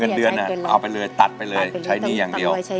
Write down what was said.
เป็นเดือนน่ะเอาไปเลยตัดไปเลยใช้หนี้อย่างเดียวตั้งไว้ใช้หนี้